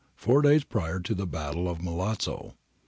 [Four days prior to the battle of Milazzo.